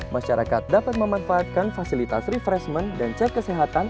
masyarakat dapat memanfaatkan fasilitas refreshment dan cek kesehatan